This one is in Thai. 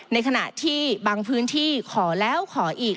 ในขณะที่บางพื้นที่ขอแล้วขออีก